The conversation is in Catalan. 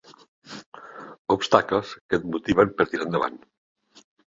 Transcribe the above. Obstacles que et motiven per tirar endavant.